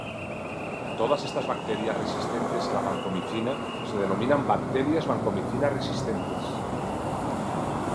Todas estas bacterias resistentes a la vancomicina se denominan bacterias vancomicina-resistentes.